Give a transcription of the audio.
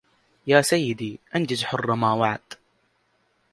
يا سيدي أنجز حر ما وعد